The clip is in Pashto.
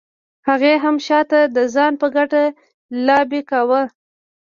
هغې هم شاته د ځان په ګټه لابي کاوه.